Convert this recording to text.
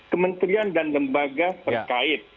kementerian dan lembaga berkait